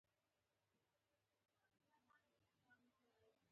په وښو پټ ځایونه جایز وو چې وڅرول شي.